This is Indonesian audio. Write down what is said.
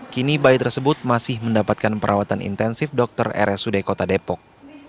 kini bayi tersebut masih mendapatkan perawatan intensif dokter rsud kota depok